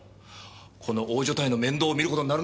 この大所帯の面倒を見る事になるんだぜ。